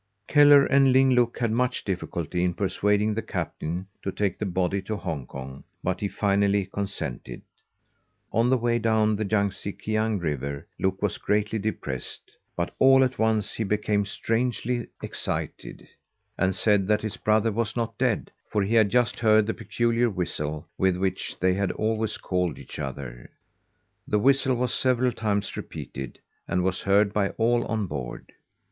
Kellar and Ling Look had much difficulty in persuading the captain to take the body to Hong Kong, but he finally consented. On the way down the Yang Tse Kiang River, Look was greatly depressed; but all at once he became strangely excited, and said that his brother was not dead, for he had just heard the peculiar whistle with which they had always called each other. The whistle was several times repeated, and was heard by all on board.